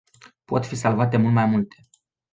Pot fi salvate mult mai multe.